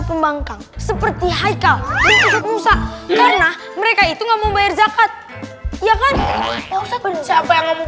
yang bangkang seperti haikal bisa karena mereka itu ngomong bayar zakat ya kan siapa yang ngomong